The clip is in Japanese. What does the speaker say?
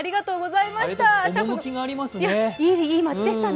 いい街でしたね。